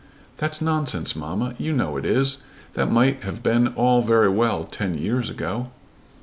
"That's nonsense, mamma. You know it is. That might have been all very well ten years ago."